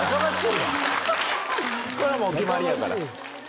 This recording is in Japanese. これはお決まりやから。